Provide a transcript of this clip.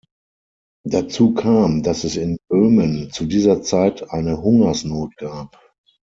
Dazu kam, dass es in Böhmen zu dieser Zeit eine Hungersnot gab.